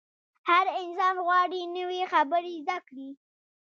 هر انسان غواړي نوې خبرې زده کړي.